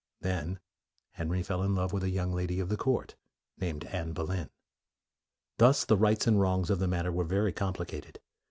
Then Henry fell in love with a young lady of the court, named Anne Boleyn. Thus the rights and wrongs of the mat ter were very complicated.